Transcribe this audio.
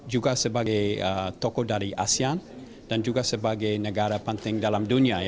juga sebagai tokoh dari asean dan juga sebagai negara penting dalam dunia